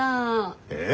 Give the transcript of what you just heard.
え？